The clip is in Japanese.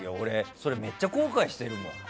それめっちゃ後悔してるもん。